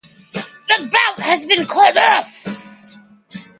The bout has been called off.